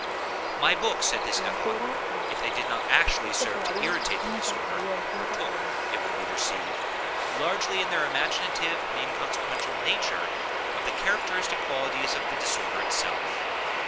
My books, at this epoch, if they did not actually serve to irritate the disorder, partook, it will be perceived, largely, in their imaginative and inconsequential nature, of the characteristic qualities of the disorder itself.